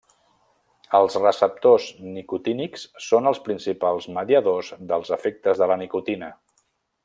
Els receptors nicotínics són els principals mediadors dels efectes de la nicotina.